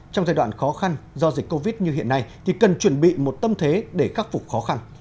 trong giai đoạn khó khăn do dịch covid như hiện nay thì cần chuẩn bị một tâm thế để khắc phục khó khăn